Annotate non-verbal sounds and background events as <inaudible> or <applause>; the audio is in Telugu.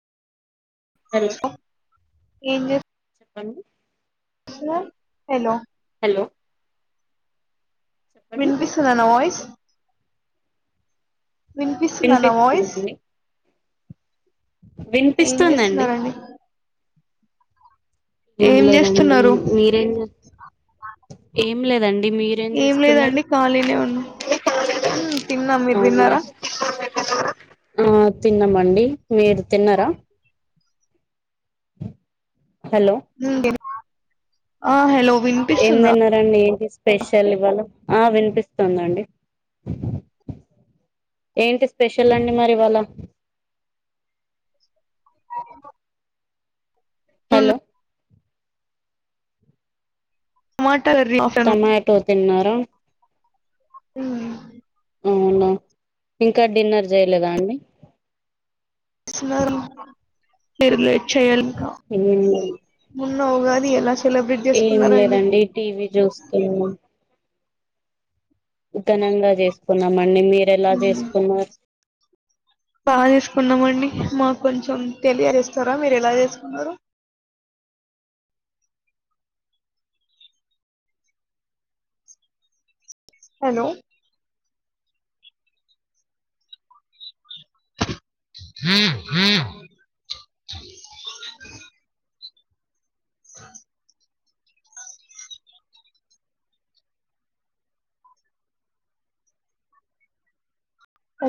హలో ఏం చేస్త అండి హాలో హలో హలో చెప్పండి వినిపిస్తుందా నా వాయిస్ వినిపిస్తుందా న్న వాయిస్ వినిపిస్తుందండి ఏం వినిపిస్తుందండి చేస్తున్నారండి ఏం లేదండి మీరేం చే ఏం లేదం ఏం మీరేంచేస్తుంటారు లేదండి ఖాళీనే ఉన్నా ఉమ్ <unintelligible> తిన్నా మీరు అవున <unintelligible> తిన్నారా ఆ థిన్ తిన్నామండి మీర్ తిన్నరా. హలో ఉండే హా హె ఎం తిన్నారండి ఏం చేస్ పేషల్ ఇవాళ ఆ వినిపిస్తుందండి ఏంటి స్పెషల్ అండి మరి ఇవాళ. అ <inaudible> హలొ మా టమాటో తిన్నారా. ఉమ్మ్ అవున ఇంకా డిన్నర్ జెయలేదా అండి. మీర్ చెల్కా ఏం లేదు ము ఓ ఉగాది ఎలా. సెలబ్రేట్ ఏం చేసుకున్నారండి లేదండి టీవీ జుస్తునం. ఘనంగా జేస్కునామ మీర్ ఎలా చేసుకున్నార్ బాగ్ చేసుకున్నామండి మాక్ కొంచెం తెలియజేస్తారా మీర్ ఎలా చేసుకున్నారో. హాలో ఉమ్ ఉమ్. ఆ <inaudible>